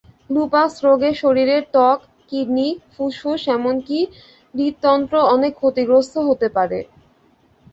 Lupus রোগে শরীরের ত্বক, কিডনি, ফুসফুস এমনকি হূত্যন্ত্রও অনেক ক্ষতিগ্রস্ত হতে পারে।